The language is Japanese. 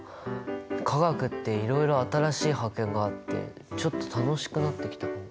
化学っていろいろ新しい発見があってちょっと楽しくなってきたかも。